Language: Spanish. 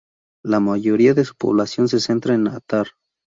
La mayoría de su población se concentra en Atar.